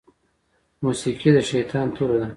موسيقي د شيطان توره ده